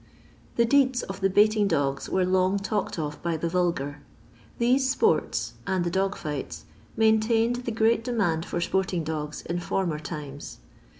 The deeds of the baiting dogs were long talked of by the vulgar. These sports, and the dog fights, maintained the great demand for sporting dogs In former times.